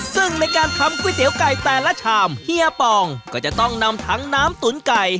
ซึ่งในการทำก๋วยเตี๋ยวไก่แต่ละชามเฮียปองก็จะต้องนำทั้งน้ำตุ๋นไก่